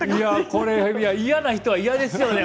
これ嫌な人は嫌ですよね。